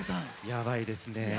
やばいですね。